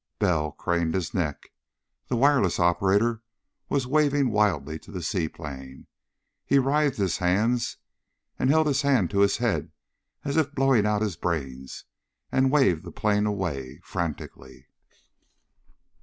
Bell craned his neck. The wireless operator was waving wildly to the seaplane. He writhed his hands, and held his hand to his head is if blowing out his brains, and waved the plane away, frantically.